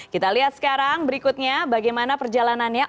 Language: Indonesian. kita lihat sekarang berikutnya bagaimana perjalanannya